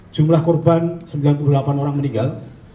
jumlah korban sembilan puluh delapan orang meninggal